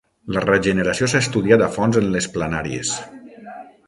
La regeneració s'ha estudiat a fons en les planàries.